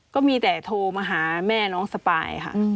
ก็มีแต่โทรมาหาแม่น้องสปายค่ะ